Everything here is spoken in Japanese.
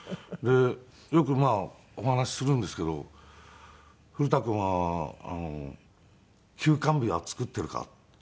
よくお話しするんですけど「古田君は休肝日は作っているか？」って言って。